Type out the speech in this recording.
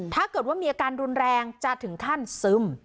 ถ้าเกิดว่ามีอาการรุนแรงจะถึงขั้นซึม